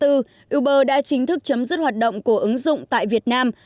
uber đã chính thức chấm dứt hoạt động của ứng dụng tại việt nam